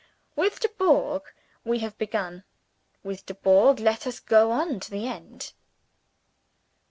With "Dubourg" we have begun. With "Dubourg" let us go on to the end.